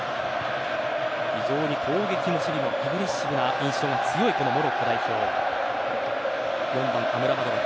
非常に攻撃も守備もアグレッシブな印象の強いモロッコ代表。